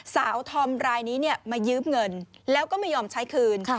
ธอมรายนี้มายืมเงินแล้วก็ไม่ยอมใช้คืน